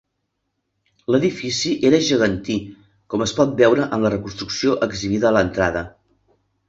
L'edifici era gegantí, com es pot veure en la reconstrucció exhibida a l'entrada.